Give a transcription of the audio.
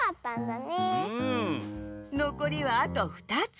のこりはあと２つ。